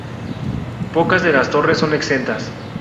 Pocas de las torres son exentas.